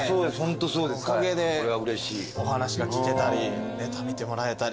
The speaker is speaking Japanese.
そのおかげでお話が聞けたりネタ見てもらえたり。